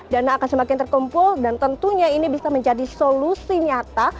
dana akan semakin terkumpul dan tentunya ini bisa menjadi solusi nyata